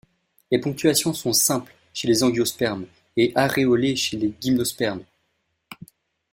Les ponctuations sont simples chez les angiospermes et aréolées chez les gymnospermes.